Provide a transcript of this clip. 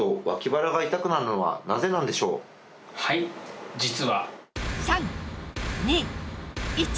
はい実は。